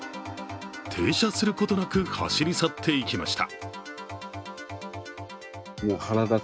停車することなく走り去っていきました。